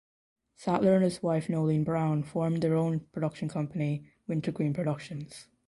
Sattler and his wife Noeline Brown formed their own production company Wintergreen Productions.